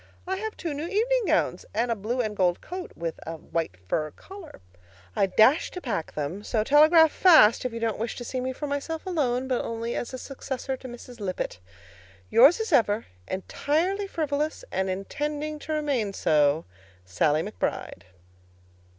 I have two new evening gowns and a blue and gold coat with a white fur collar. I dash to pack them; so telegraph fast if you don't wish to see me for myself alone, but only as a successor to Mrs. Lippett. Yours as ever, Entirely frivolous, And intending to remain so, SALLIE McBRIDE.